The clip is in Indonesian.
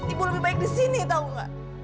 ibu lebih baik di sini tau gak